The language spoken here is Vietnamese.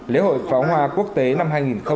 lễ hội pháo hoa quốc tế năm hai nghìn một mươi chín